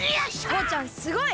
とうちゃんすごい！